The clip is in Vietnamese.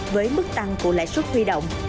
với mức tăng của lãi suất khuy động